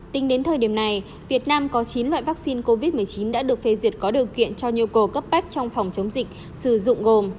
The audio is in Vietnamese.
tính đến thời điểm này việt nam có chín loại vaccine covid một mươi chín đã được phê duyệt có điều kiện cho nhu cầu cấp bách trong phòng chống dịch sử dụng gồm